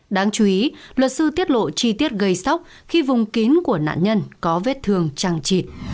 đáng chú ý luật sư tiết lộ chi tiết gây sốc khi vùng kín của nạn nhân có vết thương trăng trịt